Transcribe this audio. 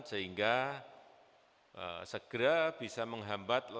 sehingga segera bisa menghambat